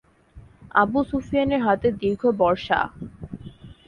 আবু সুফিয়ানের হাতে দীর্ঘ বর্শা।